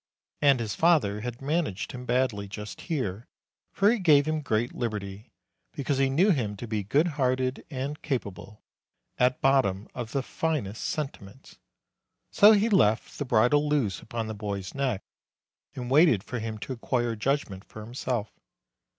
And his father had managed him badly just here, for he gave him great liberty, because he knew him to be good hearted and capable, at bottom, of the finest sentiments; so he left the bridle loose upon the boy's neck, and waited for him to acquire judgment for himself.